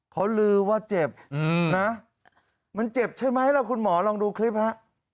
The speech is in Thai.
เขาลือว่าเจ็บนะมันเจ็บใช่ไหมล่ะคุณหมอลองดูคลิปฮะ